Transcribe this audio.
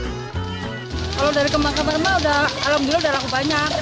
kalau dari kembang kembang alhamdulillah udah laku banyak